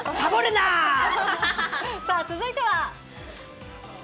さあ、続いては。